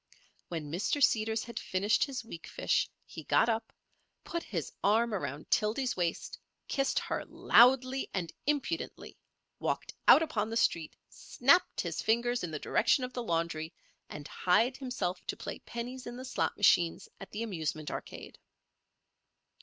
When Mr. Seeders had finished his weakfish he got up, put his arm around Tildy's waist, kissed her loudly and impudently, walked out upon the street, snapped his fingers in the direction of the laundry, and hied himself to play pennies in the slot machines at the Amusement Arcade.